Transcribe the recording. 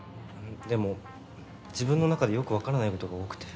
でも自分の中でよく分からないことが多くて。